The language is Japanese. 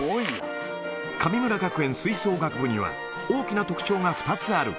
神村学園吹奏楽部には、大きな特徴が２つある。